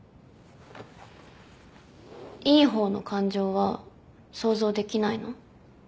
いい方の感情は想像できないの？